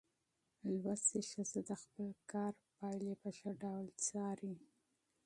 زده کړه ښځه د خپل کار پایلې په ښه ډول څاري.